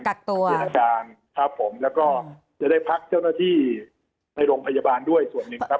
แล้วก็จะได้พักเจ้าหน้าที่ไปโรงพยาบาลด้วยส่วนหนึ่งครับ